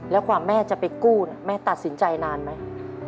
แล้วกว่าแม่จะไปกู้แม่ตัดสินใจนานไหม